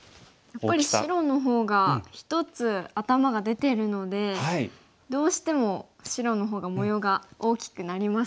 やっぱり白の方が一つ頭が出てるのでどうしても白の方が模様が大きくなりますね。